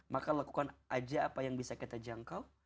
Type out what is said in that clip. maka lakukan aja apa yang bisa kita jangkau